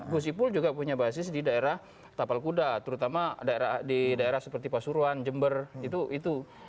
gus ipul juga punya basis di daerah tapal kuda terutama di daerah seperti pasuruan jember itu